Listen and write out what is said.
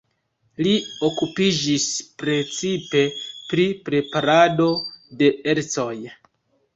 Li okupiĝis precipe pri preparado de ercoj.